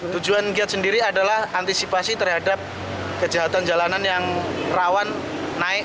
tujuan giat sendiri adalah antisipasi terhadap kejahatan jalanan yang rawan naik